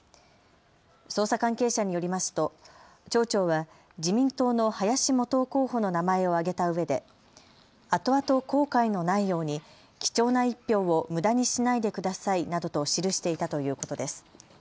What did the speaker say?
捜査関係者によりますと町長は自民党の林幹雄候補の名前を挙げたうえであとあと後悔のないように貴重な１票をむだにしないでくださいなどと記していたということです。